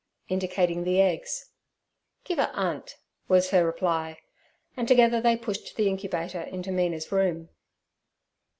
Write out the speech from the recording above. '—indicating the eggs. 'Give a 'andt' was her reply, and together they pushed the incubator into Mina's room.